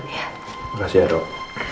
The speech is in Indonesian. makasih ya dok